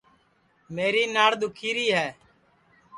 میری ناڑ دُؔکھی ری ہے